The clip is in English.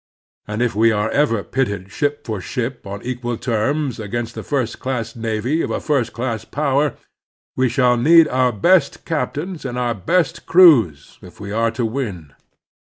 And if we are ever pitted ship for ship on equal terms against the first class navy of a first class power, we shall need our best captains and our best crews if we are to win.